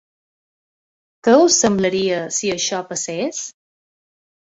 Què us semblaria, si això passés?